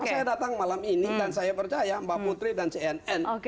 saya datang malam ini dan saya percaya mbak putri dan cnn